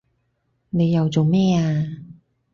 你又做咩啊